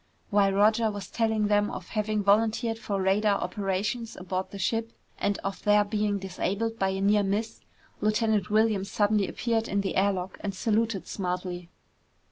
While Roger was telling them of having volunteered for radar operations aboard the ship and of their being disabled by a near miss, Lieutenant Williams suddenly appeared in the air lock and saluted smartly.